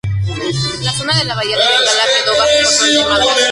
La zona de la bahía de Bengala quedó bajo control de Madrás.